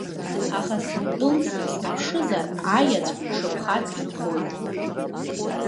Аха сындәылҵны снаԥшызар, аиаҵә шыԥхац иԥхоит.